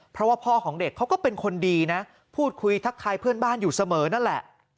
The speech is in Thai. เพราะว่าพ่อของเด็กเขาก็เป็นคนดีนะพูดคุยทักทายเพื่อนบ้านอยู่เสมอนั่นแหละ